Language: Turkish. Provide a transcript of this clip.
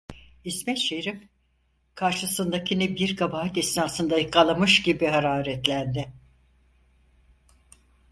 İsmet Şerif, karşısındakini bir kabahat esnasında yakalamış gibi hararetlendi.